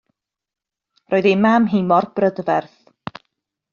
Roedd ei mam hi mor brydferth.